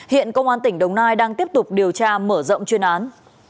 hiện công an tỉnh đồng nai đang tiếp tục điều tra mở rộng chuyên án